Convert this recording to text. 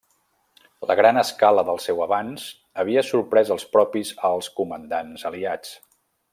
La gran escala del seu avanç havia sorprès als propis alts comandants aliats.